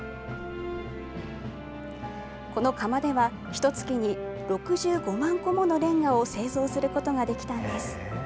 この窯では、ひとつきに６５万個ものれんがを製造することができたんです。